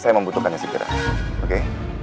saya membutuhkannya segera oke